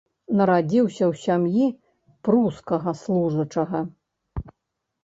Нарадзіўся ў сям'і прускага служачага.